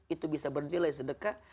itu bisa bernilai sedekah